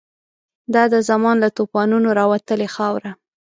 دا د زمان له توپانونو راوتلې خاوره